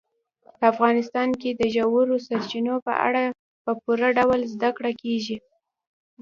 په افغانستان کې د ژورو سرچینو په اړه په پوره ډول زده کړه کېږي.